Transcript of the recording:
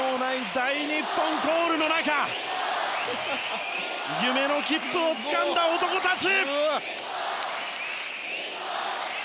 大日本コールの中夢の切符をつかんだ男たち！